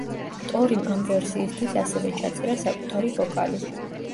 ტორიმ ამ ვერსიისთვის ასევე ჩაწერა საკუთარი ვოკალი.